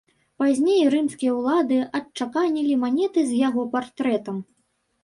Пазней рымскія ўлады адчаканілі манеты з яго партрэтам.